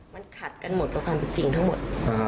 มันขัดกันหมดกับความเป็นจริงทั้งหมด